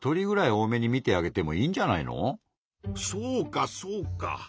そうかそうか。